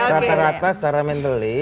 rata rata secara mentali